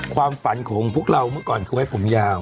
ความฝันของพวกเราเมื่อก่อนคือไว้ผมยาว